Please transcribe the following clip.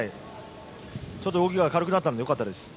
ちょっと動きが軽くなったのでよかったです。